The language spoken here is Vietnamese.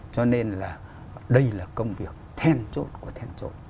cho nên đây là công việc thêm chốt của thêm chốt